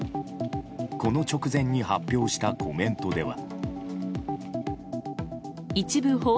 この直前に発表したコメントでは。